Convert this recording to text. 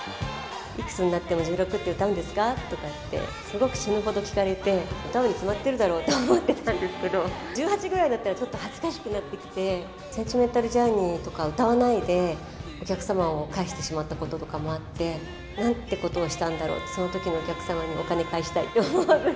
いくつになっても１６って歌うんですか？とかって、すごく死ぬほど聞かれて、歌うに決まってるだろうと思ってたんですけど、１８ぐらいになったらちょっと恥ずかしくなってきて、センチメンタル・ジャーニーとか歌わないで、お客様を帰してしまったこととかもあって、なんてことをしたんだろう、そのときのお客様にお金返したいって思いが。